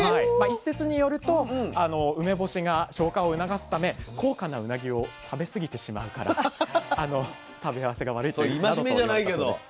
一説によると梅干しが消化を促すため高価なうなぎを食べ過ぎてしまうから食べ合わせが悪いなどといわれたそうです。